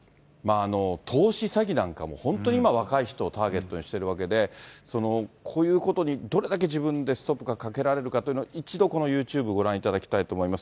投資詐欺なんかも、本当に今、若い人をターゲットにしているわけで、こういうことにどれだけ自分でストップがかけられるか、一度、このユーチューブをご覧いただきたいと思います。